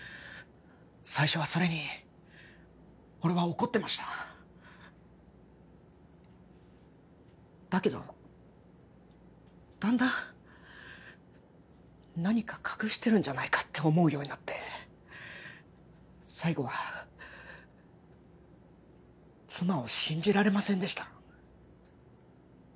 最初はそれに俺は怒ってましただけどだんだん何か隠してるんじゃないかって思うようになって最後は妻を信じられませんでした